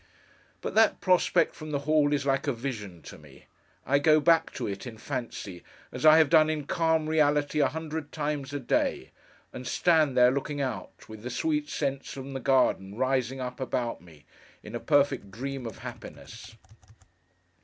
But that prospect from the hall is like a vision to me. I go back to it, in fancy, as I have done in calm reality a hundred times a day; and stand there, looking out, with the sweet scents from the garden rising up about me, in a perfect dream of happiness.